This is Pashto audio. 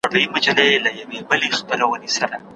د ملکیار په سبک کې د کلماتو موسیقیت خورا ډېر دی.